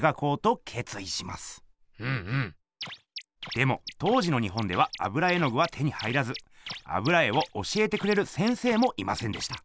でも当時の日本では油絵の具は手に入らず油絵を教えてくれる先生もいませんでした。